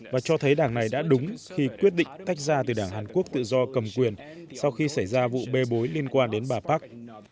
và cho thấy đảng này đã đúng khi quyết định tách ra từ đảng hàn quốc tự do cầm quyền sau khi xảy ra vụ bê bối liên quan đến bà park